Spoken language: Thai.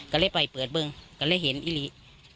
ก็เลยไปเปิดบึงก็เลยเห็นอิลิ